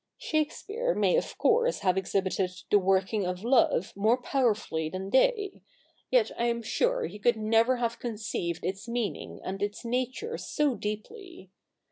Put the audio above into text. Shakespeare may of course have exhibited the working of love more power fully than they ; yet I am sure he could never have conceived its meaning and its nature so deeply.